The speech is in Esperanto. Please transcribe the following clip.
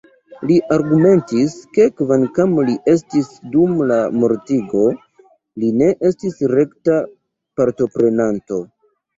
Li argumentis, ke kvankam li estis dum la mortigo, li ne estis rekta partoprenanto.